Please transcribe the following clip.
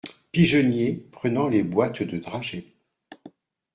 Pigeonnier prenant les boites de dragées.